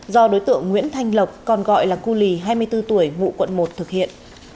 do đối tượng nguyễn thanh lộc còn gọi là cu lì hai mươi bốn tuổi ngụ quận một thực hiện